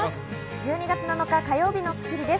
１２月７日、火曜日の『スッキリ』です。